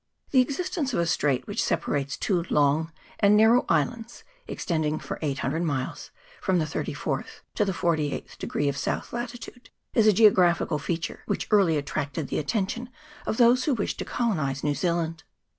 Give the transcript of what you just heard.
THE existence of a strait, which separates two long and narrow islands, extending for 800 miles, from the thirty fourth to the forty eighth degree of south latitude, is a geographical feature which early at tracted the attention of those who wished to colonize New Zealand.